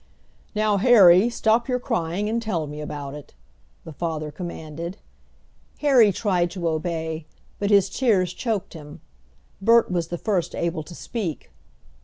"Now, Harry, stop your crying, and tell me about it," the father commanded. Harry tried to obey, but his tears choked him. Bert was the first able to speak.